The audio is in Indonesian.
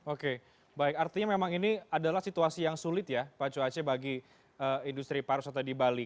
oke baik artinya memang ini adalah situasi yang sulit ya pak cuace bagi industri pariwisata di bali